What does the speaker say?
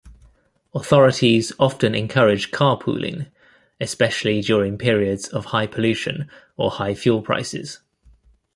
Authorities often encourage carpooling, especially during periods of high pollution or high fuel prices.